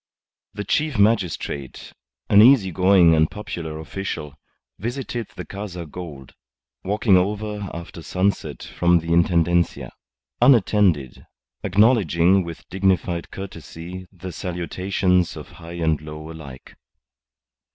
The chief magistrate, an easy going and popular official, visited the Casa Gould, walking over after sunset from the Intendencia, unattended, acknowledging with dignified courtesy the salutations of high and low alike.